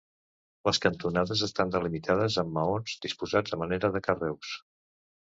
Les cantonades estan delimitades amb maons, disposats a manera de carreus.